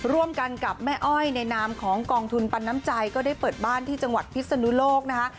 ร่วมกันกับแม่อ้อยในนามของกองทุนปันน้ำใจก็ได้เปิดบ้านที่จังหวัดพิศนุโลกนะคะ